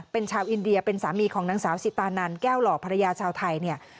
เป็นชาวอินเดียเป็นสามีของนางสาวสิตานันแก้วหล่อภรรยาชาวไทยเนี่ย